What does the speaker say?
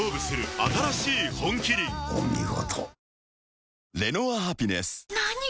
お見事。